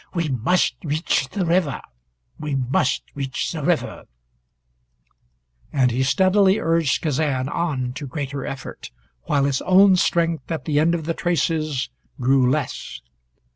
"We must reach the river we must reach the river " And he steadily urged Kazan on to greater effort, while his own strength at the end of the traces grew less.